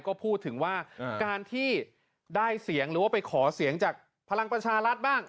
ก็พูดถึงว่าการที่ได้เสียงหรือว่าไปขอเสียงจากพลังประชารัฐบ้าง